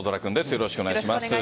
よろしくお願いします。